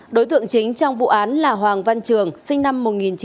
đối tượng chính trong vụ án là hoàng văn trường sinh năm một nghìn chín trăm bảy mươi sáu